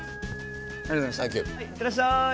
いってらっしゃい！